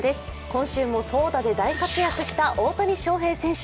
今週も投打で大活躍した大谷翔平選手。